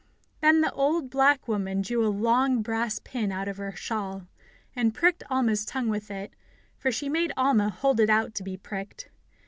Then the old black woman drew a long brass pin out of her shawl, and pricked Alma's tongue with it, for she made Alma hold it out to be pricked.